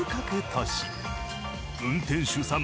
運転手さん